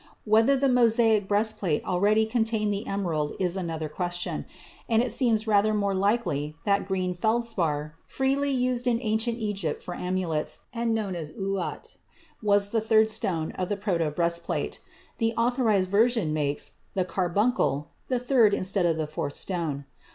Whether the Mosaic breastplate already contained the emerald is another question, and it seems rather more likely that green feldspar, freely used in ancient Egypt for amulets, and known as uat, was the third stone of the proto breastplate. The Authorized Version makes "the carbuncle" the third instead of the fourth stone.